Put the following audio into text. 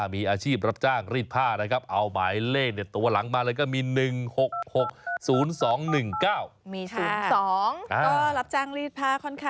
เรียบร้อยละเอียดนะครับจับเกร็ดจับจีบแม่น